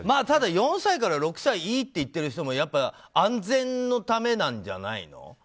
ただ、４歳から６歳がいいと言っている人も安全のためなんじゃないの？